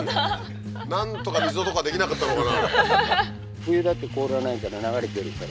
なんとか溝とかできなかったのかな